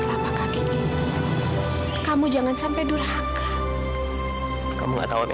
lara kamu gak apa apa